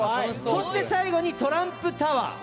そして最後にトランプタワー